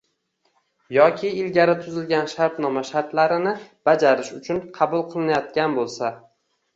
yoki ilgari tuzilgan shartnoma shartlarini bajarish uchun qabul qilinayotgan bo‘lsa;